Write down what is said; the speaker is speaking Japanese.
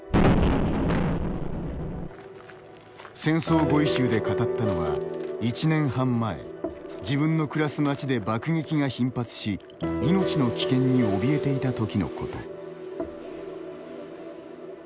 「戦争語彙集」で語ったのは１年半前自分の暮らす町で爆撃が頻発し命の危険におびえていたときのこと。